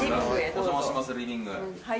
お邪魔しますリビング。